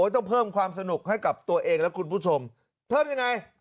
ต้องเพิ่มความสนุกให้กับตัวเองและคุณผู้ชมเพิ่มยังไง